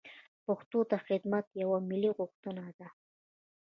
پښتو ته خدمت یوه ملي غوښتنه ده.